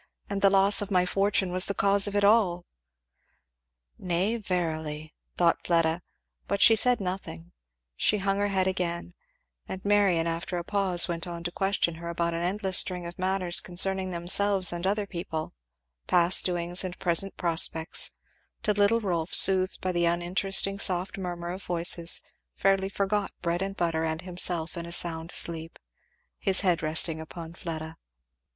And the loss of my fortune was the cause of it all." Nay verily! thought Fleda; but she said nothing; she hung her head again; and Marion after a pause went on to question her about an endless string of matters concerning themselves and other people, past doings and present prospects, till little Rolf soothed by the uninteresting soft murmur of voices fairly forgot bread and butter and himself in a sound sleep, his head resting upon Fleda.